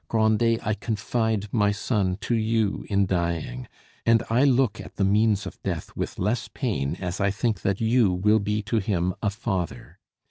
Grandet, I confide my son to you in dying, and I look at the means of death with less pain as I think that you will be to him a father.